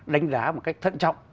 đánh giá một cách thận trọng